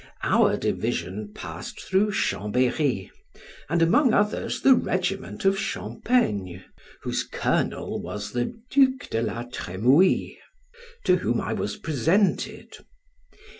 Our division passed through Chambery, and, among others, the regiment of Champaigne, whose colonel was the Duke de la Trimouille, to whom I was presented.